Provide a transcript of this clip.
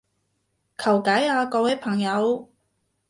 求解啊各位朋友